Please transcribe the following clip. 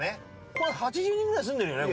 これ８０人ぐらい住んでるよね